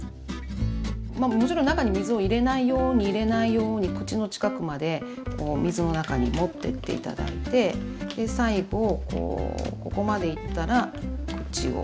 もちろん中に水を入れないように入れないように口の近くまで水の中に持ってって頂いて最後ここまでいったら口を閉じてよいしょ。